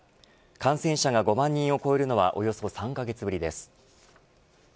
感染者が５万人を超えるのはおよそ３カ月ぶりです。